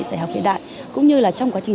dạy học hiện đại cũng như là trong quá trình